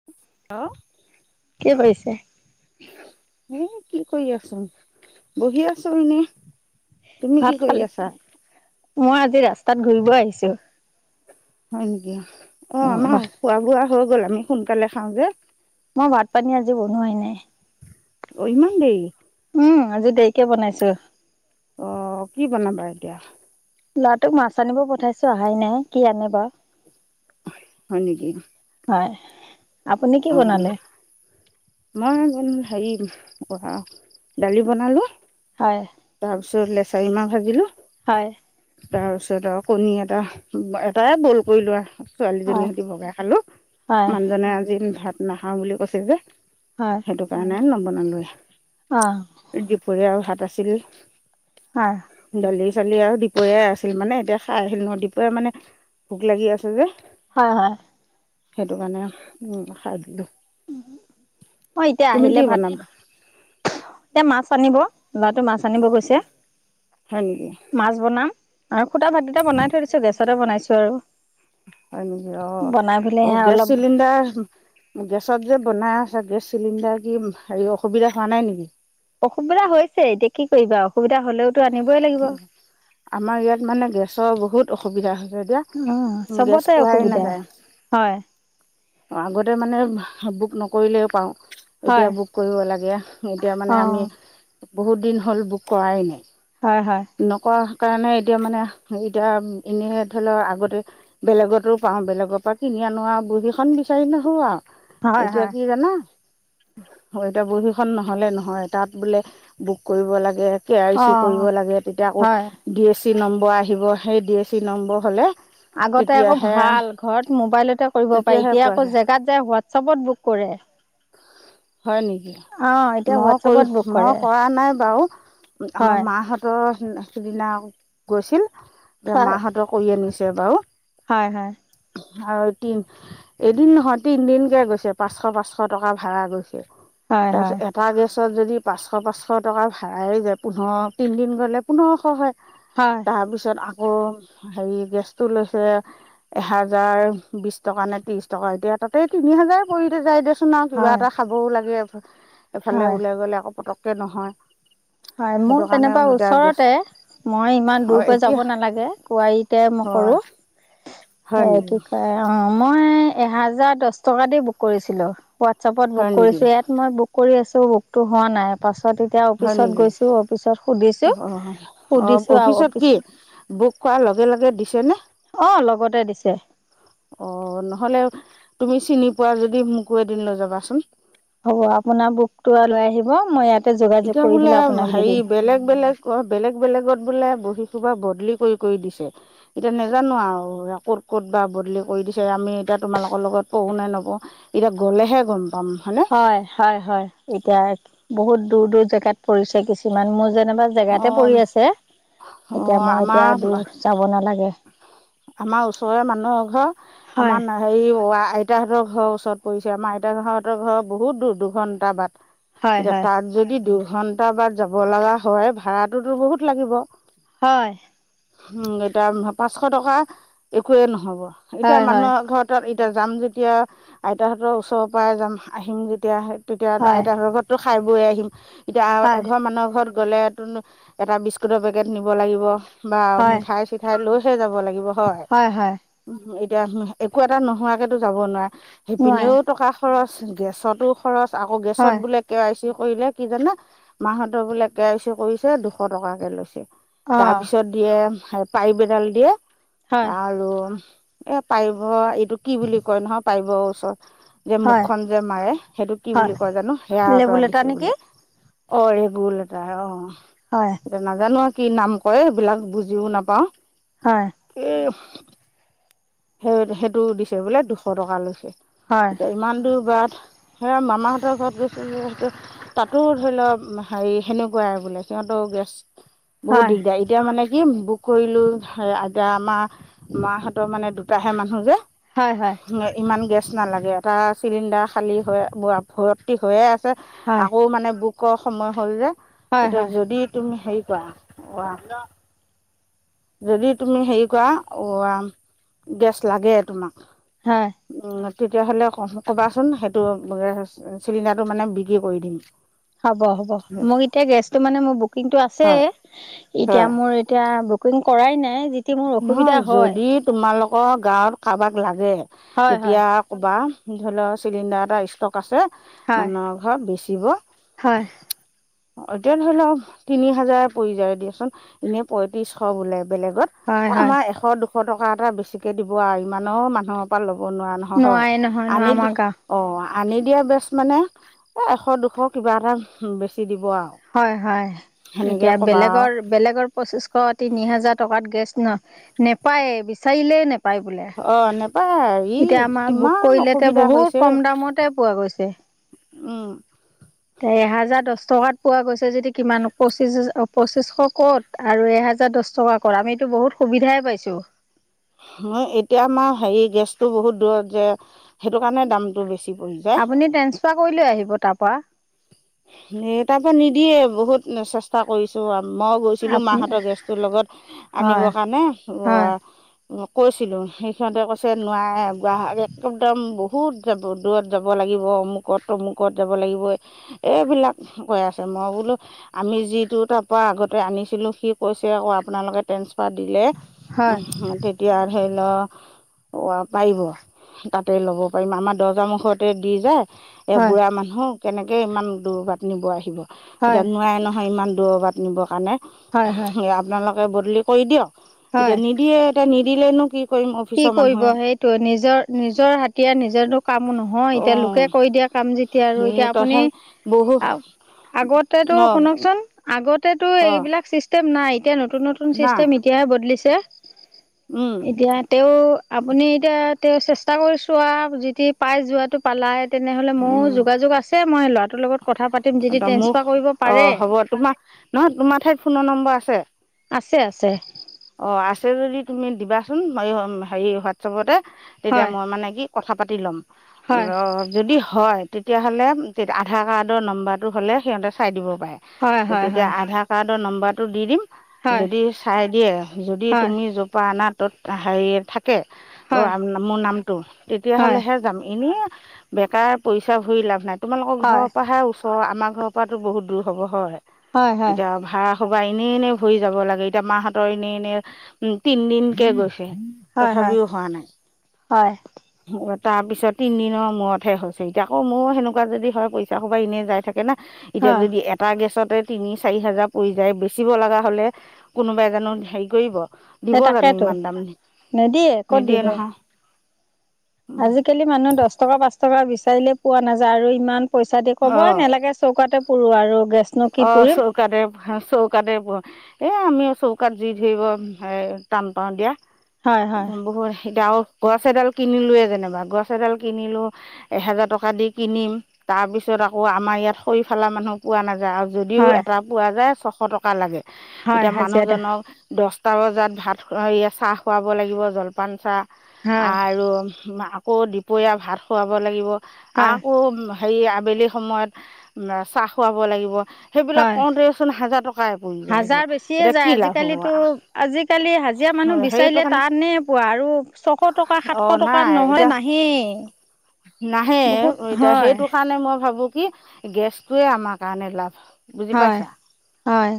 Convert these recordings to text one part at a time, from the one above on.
[unintelligible] Hello,. কি কৰিছে? এ', কি কৰিবাচোন, বহি আছোঁ এনে। তুমি কি ভাত কৰি খালে? আছা মই আজি ৰাস্তাত ঘূৰিব আহিছোঁ। হয় নেকি, অ', উম, আমাৰ বাহ খোৱা-বোৱা হৈ গ'ল, আমি সোনকালে খাওঁ যে। মই ভাত-পানী আজি বনোৱাই নাই। অ', ইমান দেৰি? উম', আজি দেৰিকে বনাইছোঁ। অ', কি বনাবা এতিয়া? ল'ৰাটোক মাছ আনিব পঠাইছোঁ আহাই নাই, কি আনে বা। হয় নেকি। হয়। আপুনি কি অ', বনালে? -অ',। মই অকণ হেৰি অ', দালি বনালে। হয়। তাৰ পিছত লেচাৰি মাহ ভাজিলোঁ। হয়। তাৰপিছত আৰু কণী এটা, উম', এটাই বইল কৰি লোৱা। ছোৱালীজনী হয়, হতি বগাই খালোঁ, হয়, মানুহজনে আজি ভাত নাখাওঁ বুলি কৈছে যে। হয়। সেইটো কাৰণে নবনালোৱে। অহ',। দুপৰীয়াৰ আৰু ভাত আছিলেই। হয়। দালি চালি আৰু দুপৰীয়াই আছিল মানে এতিয়া খাই আহিলোঁ নহয় দুপৰীয়া মানে। ভোক লাগি আছিল যে। হয়-হয়। সেইটোকাৰণে খাই দিলোঁ। অ' এতিয়া তুমি আহিলে কি ভাত বনাবা - এ মাছ আনিব ল'ৰাটো মাছ আনিব গৈছে। হয় নেকি মাছ বনাম আৰু সুদা ভাত কিটা বনাই থৈ দিছো গেছতে বনাইছো আৰু। হয় নেকি অ' বনাই পেলাই অ সেয়া গেছ অলপ চিলিণ্ডাৰ - গেছত যে বনাই আছ গেছ চিলিণ্ডাৰ কি হেৰি অসুবিধা হোৱা নাই নেকি? অসুবিধা হৈছে এতিয়া কি কৰিবা আও অসুবিধা হলেও - তো আনিবই লাগিব আমাৰ ইয়াত মানে গেছৰ বহুত অসুবিধা হৈছে দিয়া। উম চবতে অসুবিধা হয়। অ আগতে মানে বুক নকৰিলেও পাওঁ। হয় এতিয়া বুক কৰিব লাগে এতিয়া অ মানে আমি বহুত দিন হ'ল বুক কৰাই নাই। হয় - হয়। নকৰা কাৰণে এতিয়া মানে হেৰী এতিয়া এনে ধৰি ল আগতে - বেলেগতো পাও বেলেগৰ পৰা কিনি আনো আও বহী খন বিচাৰি নাহো হয় আৰু এতিয়া হয় কি জানা - অ' এতিয়া বহীখন নহলে নহয় তাত বোলে বুক কৰিব লাগে। কে আই অ চি কৰিব লাগে তেতিয়া আকৌ হয় ডি এ চি নম্বৰ আহিব হেই ডি এ চি নম্বৰ হলে - আগতে আকৌ ভাল ঘৰত মোবাইলতে - কৰিব পাৰি তেতিয়াহে এতিয়া পোৱা আকৌ যায় জেগাত যাই হোৱাটছএপত বুক কৰে। হয় নেকি? অ এতিয়া মই কৰি হোৱাটছএপত বুক মই কৰে কৰা নাই বাৰু আমাৰ হয় মাহঁত - তৰ সিদিনা গৈছিল এতিয়া হয় মাহঁতৰ কৰি আনিছে বাৰু। হয় - হয়। আৰু এদিন - এদিন নহয় তিনদিন কে গৈছে পাঁচশ পাঁচশ টকা ভাড়া গৈছে হয় তাৰ হয় পাছত এট - টা গেছত যদি পাঁচশ পাঁচশ টকা ভাড়াই যায় পোন্ধৰ তিনদিন গ'লে পোন্ধৰশ হয়। হয়। তাৰপিছত আকৌ হেৰি গেছটো লৈছে এহেজাৰ বিছ - টকা নে ত্ৰিশ টকা এতিয়া তাতে তিনি হাজাৰ পৰি যায় দেচোন আৰু কিবা হয় এটা খাবও লাগে। এফালে হয় ওলাই গ'লে আকৌ পতককে নহয়। হয় মোৰ সেইটো কাৰণে জেনিবা এতিয়া গেছ ওচৰতে। মই ইমান দূৰ অঁ পে এতিয়া যাব নালাগে কোৱাৰীতে মই‌ হয় কৰোঁ। হয় হেয়া নেকি কি কয় অ মই এহেজাৰ দছ টকা দি বুক কৰিছিলো। হোৱাটছআপত বুক হয় নেকি কৰিছোঁ ইয়াত মই বুক কৰি আছোঁ বুকটো হোৱা নাই পাছত এতিয়া অফিচ হয় - ছত নেকি গৈছো অফিছত অঁ সুধিছো অঁ সুধিছো আও অফিচত অফিছ কি বুক কৰাৰ লগে লগেই দিছে নে? অ' লগতে দিছে। অ' নহ'লে তুমি চিনি পোৱা যদি মোকো এদিন লৈ যাবাচোন। হ'ব আপোনাৰ বুকটো লৈ আহিব মই ইয়াত - এতিয়া বোলে হেৰি বেলেগ বেলেগ - অ' বেলেগ বেলেগত বোলে বহীসোপা বদলি কৰি কৰি দিছে। এতিয়া নেজানো আৰু ক'ত ক'ত বা বদলি কৰি দিছে আমি এতিয়া তোমালোকৰ লগত পৰো নে নপৰো। এতিয়া গ'লেহে গম পাম হয়নে - হয় - হয় - হয় এতিয়া বহুত দূৰ দূৰ জেগাত পৰিছে কিছুমান মোৰ যেনিবা - অ জেগাতে পৰি আছে অ এতিয়া মই আমাৰ এতিয়া দূ যাব নালাগে। আমাৰ ওচৰৰে মানুহৰ এঘৰ হয়, আমাৰ নাই হেৰি হোৱা আইতাহঁতৰ ঘৰৰ ওচৰত পৰিছে আমাৰ আইতাহঁতৰ ঘৰ বহুত দূৰ দুঘন্টা বাট হয়, এতিয়া হয়, তাত যদি দুঘন্টা বাট যাব লাগা হয় ভাড়াটোতো বহুত লাগিব হয় উম এতিয়া পাঁচশ টকা একোয়ে নহব এতিয়া হয়, হয়, মানুহৰ ঘৰত তত এতিয়া যাম যেতিয়া আইতাহঁতৰ ওচৰৰ পাই যাম আহিম যেতিয়া তেতিয়া হয়, আইতাহঁতৰ ঘত টো খাই বৈ আহিম এতিয়া হয়। এঘৰ মানুহৰ ঘৰত গ'লেতোনো এটা বিস্কুটৰ পেকেট নিব লাগিব বা হয় মিঠাই চিঠাই লৈহে যাব লাগিব। হয় এতিয়া একো এটা নোহোৱাকেতো যাব নোৱায়ে নোৱাৰে সেইপিনেও টকা খৰচ গেছতো খৰচ আকৌ গেছত হয় বোলে কে আই চি কৰিলে কি জানে মাহঁতৰ বোলে কে আই চি কৰিছে দুশ টকাকে লৈছে অ তাৰ পিছত দিয়ে পাইপ এডাল দিয়ে হয় আৰু এ পাইপৰ কি বুলি কয় নহয় পাইপৰ ওচৰত যে হয় মুখখন যে মাৰে সেইটো কি হয় বুলি কয় জানো সেয়া আতা লেবুলেটা দিছে নেকি বোলে অহ ৰেগুলেটাৰ অহ হয় এতিয়া নাজানো আও কি নাম কয় এইবিলাক বুজিও নাপাও হয় এ সে সেইটো দিছে বোলে দুশ টকা লৈছে হয় এতিয়া ইমান দূৰ বাট সেয়া মামাহঁতৰ ঘৰত গৈছিলো সেইটো তাতো ধৰি ল হেৰি সেনেকুৱাই বোলে সিহঁতও গেছ বহুত হয় দিগদাৰী। এতিয়া মানে কি বুক কৰিলো সে আইতা আমাৰ মাহঁতৰ মানে দুটাহে মানুহ যে হয় হয় ইমান গেছ নালাগে এটা চিলিণ্ডাৰ খালী হৈ ভ ভৰ্তি হৈয়ে আছে হয় আকৌ মানে বুকৰ সময় হ'ল যে হয় এতিয়া হয় যদি তুমি হেৰি কৰা যদি তুমি হেৰি কৰা অ ৰাম গেছ লাগে তোমাক হয় উম তেতিয়াহ'লে ক কবাচোন সেইটো গেছ চিলিণ্ডাৰটো মানে বিকি কৰি দিম হ'ব হ'ব মোক এতিয়া গেছটো মানে মোৰ বুকিংটো আছেই হয় এতিয়া হয় মোৰ এতিয়া বুকিং কৰাই নাই যিতি মোৰ অসুবিধা নহয় হয় যদি তোমালোকৰ গাঁৱত কাৰবাক লাগে হয় তেতিয়া হয় ক'বা ধৰি ল চিলিণ্ডাৰ এটা ষ্টক আছে হয় মানুহ এঘৰত বেছিব হয় এতিয়া ধৰি লওক তিনি হাজাৰ পৰি যায় দিয়াচোন এনে পইত্ৰিচশ বোলে বেলেগত। হয় হয় আমাৰ এশ দুশ টকা এটা বেছিকে দিব আৰু ইমান মানুহক ইমান ল'ব নোৱাৰা নহয় নোৱাৰে হয় নহয় ন আনি দি আমাৰ গাঁও অ আনি দিয়া বেচ মানে এশ দুশ কিবা এটা বেছি দিব আও। হয় হয়, এতিয়া বেলেগৰ আৰু বেলেগৰ পঁচিছশ তিনি হাজাৰ টকাত গেছ ন নেপায়েই বিচাৰিলে নেপায় বোলে। অহ নেপায়। ই এতিয়া আমাৰ বুক কিমান কৰিলে তে অসুবিধা বহুত হৈছে কম দামতে পোৱা গৈছে। উম, তে এহেজাৰ দহ টকাত পোৱা গৈছে যদি কিমান পঁচিশ পঁচিছশ ক'ত আৰু এহেজাৰ দহ টকা কৰা আমিতো বহুত সুবিধাই পাইছোঁ হয় এতিয়া আমাৰ হেৰি গেছটো বহুত দূৰত যে সেইটো কাৰণে দামটো বেছি পৰি যায় আপুনি ট্ৰেন্ঞ্চফাৰ কৰি লৈ আহিব তাৰপৰা তাৰ পৰা নিদিয়ে বহুত চেষ্টা চেষ্টা কৰিছো মই গৈছিলো আপুনি মাহঁতৰ গেছটোৰ লগত হয় আনিবৰ কাৰণে হয় কৈছিলো সেই সিহঁতে কৈছে নোৱাৰে পুৰা একদম দাম বহুত যাব দূৰত যাব লাগিব অমুকত তমুকত যাব লাগিব এইবিলাক কৈ আছে মই বোলো আমি যিটো তাৰ পৰা আগতে আনিছিলো সি কৈছে আকৌ আপোনালোকে ট্ৰেন্ঞ্চফাৰ দিলে হয় উ তেতিয়া ধৰি লও পাৰিব তাতে ল'ব পাৰিম আমাৰ দৰ্জা‌ মুখতে দি যায় এয়া হয় বুঢ়া মানুহ কেনেকে ইমান দূৰ বাট নিব আহিব হয় হয় এতিয়া নোৱাই নহয় ইমান দূৰ বাট নিবৰ কাৰণে হয় হয় আপোনালোকে বদলি কৰি দিয়ক হয় এতিয়া নিদিয়ে এতিয়া নিদিলে নো কি কৰিম কি অফিচৰ কৰিব মানুহে সেইটোৱে নিজৰ নিজৰ হাঠিয়াৰ নিজৰো কামো নহয় অ' এতিয়া লোকে অঁ কৰি দিয়া কাম যেতিয়া আৰু এতিয়া এই আপুনি তথা বহু আগতেটো অঁ শুনকচোন আগতেতো অঁ এইবিলাক চিষ্টেম নাই এতিয়া নতুন নতুন নাই চিষ্টেম এতিয়াহে বদলিছে এতিয়া তেও আপুনি এতিয়া তেও চেষ্টা কৰি ছোৱা আৰু যেতিয়া পাই যোৱাটো পালাই তেনেহ'লে মোৰো যোগাযোগ আছে মই ল'ৰাটোৰ লগত কথা পাতিম যদি ট্ৰেন্ঞ্চফাৰ কৰিব পাৰে বৰ্তমান নহয় তোমাৰ ঠাইত ফোনৰ নম্বৰ আছে আছে আছে অ' আছে যদি তুমি দিবাচোন হেৰি হোৱাটছএপতে তেতিয়া হয় মই মানে কি কথা পাতি ল'ম হয় অ' যদি হয় তেতিয়া হ'লে আধাৰ কাৰ্ডৰ নম্বৰটো হ'লে সিহঁতে চাই দিব পাৰে হয় হয় তেতিয়া হয় আধাৰ কাৰ্ডৰ নম্বাৰটো দি দিম হয় যদি চাই দিয়ে যদি হয় তুমি জৰ পৰা অনা ত'ত হেৰি থাকে হয় মোৰ নাম হয় তেতিয়াহ'লেহে যাম এনে বেকাৰ পইচা ভৰি লাভ নাই তোমালোকৰ হয় ঘৰৰ পৰা হে ওচৰ আমাৰ ঘৰৰ পৰাতো বহুত দূৰ হ'ব হয় হয় হয় এতিয়া ভাড়া সবা এনেই এনে ভৰি যাব লাগে এতিয়া মাহতৰ এনেই এনে উম তিন দিন কে গৈছে হয় তথাপিও হোৱা নাই হয় তাৰ পিছত তিনদিনৰ মূৰতহে হৈছে এতিয়া আকৌ মোৰ সেনেকুৱা যদি হয় পইচা সোপা এনেই যাই থাকে না এতিয়া হয় যদি এ এটা গেছতে তিনি চাৰি হাজাৰ পৰি যায় বেচিব লগা হ'লে কোনোবাই জানো হেৰি কৰিব দিব সেই জানো তাকেতো ইমান দাম নিদিয়ে ক'ত নিদিয়ে দিব নহয় আজিকালি মানুহ দহ টকা পাঁচ টকা বিচাৰিলে পোৱা নাযায় আৰু ইমান পইচা দি ক'ব নালাগে চৌকাতে পুৰো আৰু গেছ অ চৌকাতে চৌকাতে পুৰ এ আমিও চৌকাত জুই ধৰিব এ টান পাও দিয়া হয় হয় একদম বহুত এতিয়া আৰু গছ এডাল কিনিলোৱে যেনিবা গছ এডাল কিনি এহেজাৰ টকা দি কিনিম তাৰ পিছত আকৌ আমাৰ ইয়াত খৰি ফালা মানুহো পোৱা নাযায় আৰু যদিও হয় এটা পোৱা যায় ছশ টকা লাগে হয় এতিয়া হাজিৰা মানুহজনক দহটা বজাত ভাত চাহ খুৱাব লাগিব জলপান চাহ হয় আৰু আকৌ দুপৰীয়া ভাত খুৱাব লাগিব হয় আকৌ হেৰি আবেলি সময়ত চাহ খুৱাব লাগিব। সেইবিলাক হয় কওঁতেচোন হাজাৰ টকাই পৰি হাজাৰ যায়গৈ বেছিয়ে এতিয়া যায় কি লাভ আজিকালিতো হ'ব। আজিকালি হাজিৰা মানুহ সেইটো বিচাৰিলে কাৰণে টানে পোৱা আৰু ছশ টকা অঁ সাতশ টকাত নাই নহয় এতিয়া নাহেই। [inaudible] নাহে বহুত এতিয়া হয় সেইটো কাৰণে মই ভাবোঁ কি গেছটোয়ে আমাৰ কাৰণে লাভ। হয় হয়।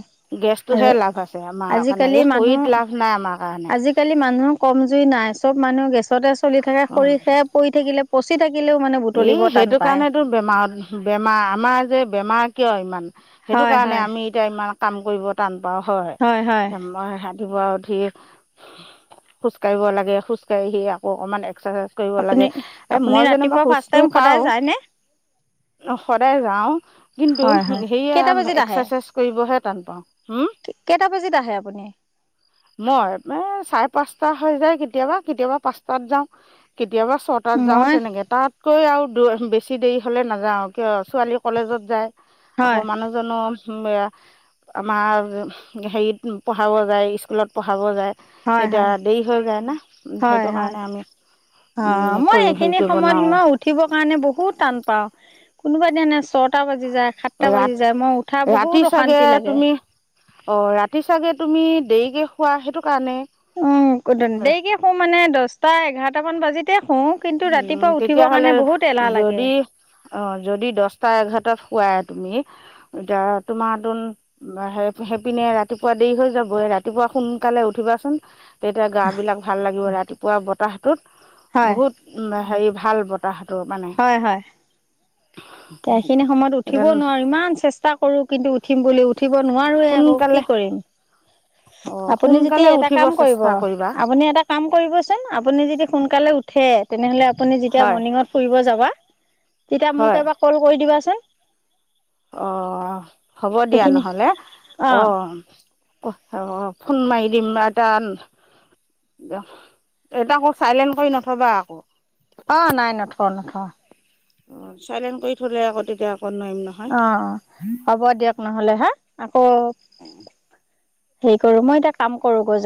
গেছটোৱে আৰু লাভ আছে আমাৰ কাৰণে, আজিকালি এই মানুহ খৰিত লাভ নাই আমাৰ কাৰণে। আজিকালি মানুহৰ কম জুই নাই, চব মানুহ গেছতে চলি থাকে খৰি শে কৰি থাকিলে, পচি থাকিলেও মানে এ, বুটলিব টান সেইটো পায়। কাৰনেতো বেমাৰত বেমাৰ আমাৰ যে বেমাৰ কিয় ইমান সেইটো হয় কাৰণে হয় আমি এতিয়া ইমান কাম কৰিব টান পাওঁ হয়। মই [unintelligible] তিপুৱা উঠি খোজকাঢ়িব লাগে খোজ কাঢ়ি আকৌ অকমান এক্সাৰচাইজ কৰিব আপুনি লাগে এ, আপুনি মই যেনিবা ৰাতিপুৱা ফাৰ্ষ্ট খোজটো টাইম সদায় কাঢ়ো। যায়নে? সদায় যাওঁ কিন্তু হয় হয়। সেয়া কেইটা বাজিত আহে এক্সাৰচাইজ কৰিবহে টান পাওঁ। হু? কেইটা বাজিত আহে আপুনি? মই এ, চাৰে পাঁচটা হৈ যায় কেতিয়াবা, কেতিয়াবা পাঁচটাত যাওঁ। কেতিয়াবা ছটাত যাওঁ মই তেনেকে, তাতকৈ আৰু বেছি দেৰি হ'লে নাযাও কিয় ছোৱালী কলেজত যায় হয় আকৌ মানুহজনো সেয়া আমাৰ হেৰিত পঢ়াব যায় স্কুলত পঢ়াব যায়। হয় এতিয়া হয় দেৰি হৈ যায় না হয় সেইটো হয়। কাৰণে আমি অ' মই কৰি হেৰি এইখিনি কৰিব সময়ত নোৱাৰোঁ মই উঠ উঠিব কাৰণে বহুত টান পাওঁ, কোনোবাই দিনা ছটা বাজি যায়। সাতটা ৰাত বাজি যায়, মই উঠা বহুত অশান্তি লাগে। অ' ৰাতি চাগে তুমি দেৰিকে শুৱা সেইটো কাৰণে। উম, ক, দেৰিকে শুও মানে দশটা এঘাৰটা মান বাজিতে শুও। কিন্তু উম ৰাতিপুৱা উঠিবৰ কাৰণে বহুত এলাহ লাগে। অ' যদি দশটা এঘাৰটাত শুৱা তুমি এতিয়া তোমাৰ তোন বা সেইপিনে ৰাতিপুৱা দেৰি হৈ যাব, ৰাতিপুৱা সোনকালে উঠিবাচোন। তেতিয়া গাবিলাক ভাল লাগিব, ৰাতিপুৱা বতাহ হয় বহুত উ, হেৰি ভাল বতাহটো মানে। এইখিনি সময়ত এতিয়া উঠিবই নোৱাৰো, ইমান চেষ্টা কৰোঁ উঠিম বুলি উঠি উঠিব নোৱাৰোৱে আকৌ সোনকালে কি কৰিম। অঁ আপুনি যদি সোনকালে এটা উঠিব কাম কৰিব চেষ্টা কৰিবা আপুনি এটা কাম কৰিবচোন আপুনি যদি সোনকালে উঠ ঠে তেনেহ'লে আপুনি যেতিয়া হয় মৰ্ণিঙত ফুৰিব যাবা তেতিয়া মোক হয় এবাৰ কল কৰি দিবাচোন। অ' হ'ব দিয়া সেইখিনি নহ'লে অ' অ', অ' ফোন মাৰি দিম [unintelligible] এটা আকৌ চাইলেণ্ট কৰি নথ'বা আকৌ। অ' নাই নথওঁ নথওঁ। অ' চাইলেণ্ট কৰি থলে আকৌ তেতিয়া আকৌ নোৱাৰিম নহ। অ' হ'ব দিয়ক। নহ'লে হে, আকৌ হেৰি কৰোঁ, মই এতিয়া কাম কৰোঁগৈ যায়।